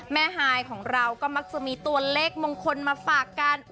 ฮายของเราก็มักจะมีตัวเลขมงคลมาฝากกัน